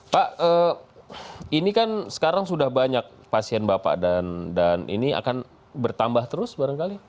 pak ini kan sekarang sudah banyak pasien bapak dan ini akan bertambah terus barangkali